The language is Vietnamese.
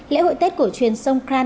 lễ hội tết cổ truyền sông kran